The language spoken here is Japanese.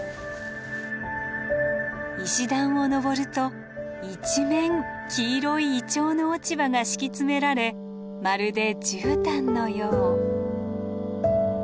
石段を上ると一面黄色いイチョウの落ち葉が敷き詰められまるでじゅうたんのよう。